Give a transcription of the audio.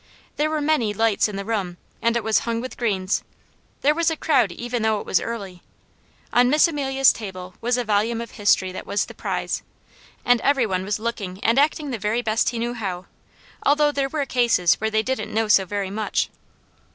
There were many lights in the room and it was hung with greens. There was a crowd even though it was early. On Miss Amelia's table was a volume of history that was the prize, and every one was looking and acting the very best he knew how, although there were cases where they didn't know so very much.